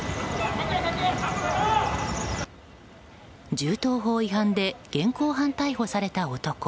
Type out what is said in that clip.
銃刀法違反で現行犯逮捕された男。